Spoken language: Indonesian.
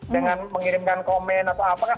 dengan mengirimkan komen atau apakah